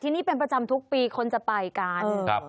ที่นี่เป็นประจำทุกปีคนจะไปกันครับ